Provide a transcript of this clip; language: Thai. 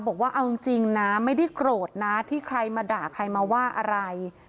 บอกว่าเอาจริงนะไม่ได้โกรธนะที่ใครมาด่าใครมาว่าอะไร